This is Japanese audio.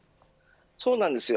そうなんですよね。